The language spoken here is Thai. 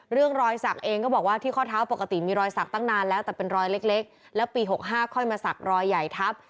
รอยสักเองก็บอกว่าที่ข้อเท้าปกติมีรอยสักตั้งนานแล้วแต่เป็นรอยเล็กแล้วปี๖๕ค่อยมาสักรอยใหญ่ทับ